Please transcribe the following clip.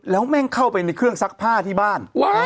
แล้วแม่งเข้าไปในเครื่องซักผ้าที่บ้าน